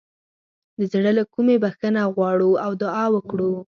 د زړه له کومې بخښنه وغواړو او دعا وکړو.